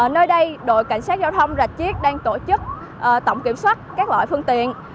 nơi đây đội cảnh sát giao thông rạch chiếc đang tổ chức tổng kiểm soát các loại phương tiện